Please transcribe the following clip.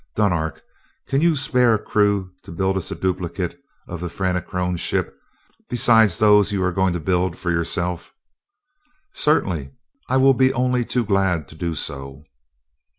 Dunark, can you spare a crew to build us a duplicate of that Fenachrone ship, besides those you are going to build for yourself?" "Certainly. I will be only too glad to do so."